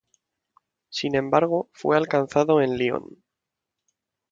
Sin embargo, fue alcanzado en Lyon.